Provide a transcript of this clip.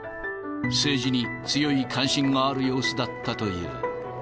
政治に強い関心がある様子だったという。